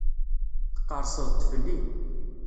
Tqerrseḍ-d fell-i.